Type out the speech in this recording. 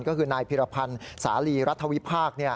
ก็คือนายพิรพันธ์สาลีรัฐวิพากษ์